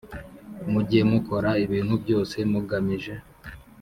Mujye mukora ibintu byose mugamije